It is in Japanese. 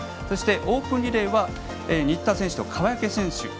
そしてオープンリレーは新田選手と川除選手。